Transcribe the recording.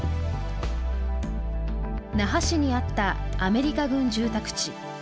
那覇市にあったアメリカ軍住宅地。